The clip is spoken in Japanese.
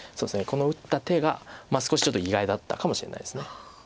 この打った手が少しちょっと意外だったかもしれないです。